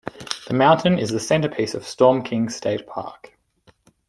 The mountain is the centerpiece of Storm King State Park.